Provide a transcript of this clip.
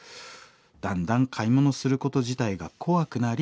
だんだん買い物すること自体が怖くなり」。